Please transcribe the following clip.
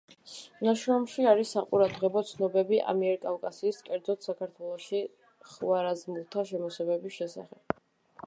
ნაშრომში არის საყურადღებო ცნობები ამიერკავკასიის, კერძოდ საქართველოში, ხვარაზმელთა შემოსევების შესახებ.